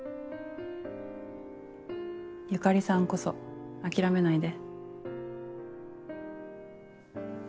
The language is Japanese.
由香里さんこそ諦めないで。